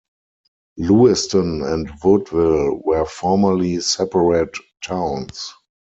Lewiston and Woodville were formerly separate towns.